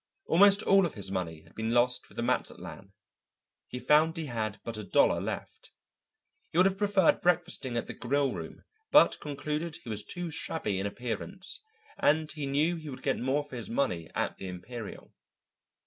Almost all of his money had been lost with the Mazatlan; he found he had but a dollar left. He would have preferred breakfasting at the Grillroom, but concluded he was too shabby in appearance, and he knew he would get more for his money at the Imperial.